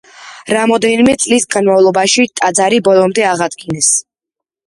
რამდენიმე წლის განმავლობაში ტაძარი ბოლომდე აღადგინეს.